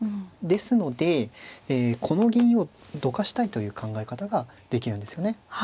ですのでこの銀をどかしたいという考え方ができるんですよね。